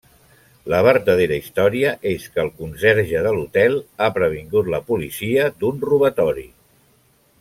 La vertadera història és que el conserge de l'hotel ha previngut la policia d'un robatori.